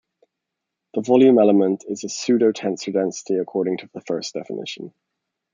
The volume element is a pseudotensor density according to the first definition.